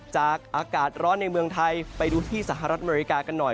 อากาศร้อนในเมืองไทยไปดูที่สหรัฐอเมริกากันหน่อย